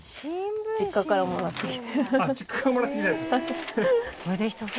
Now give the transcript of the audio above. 実家からもらってきたやつ？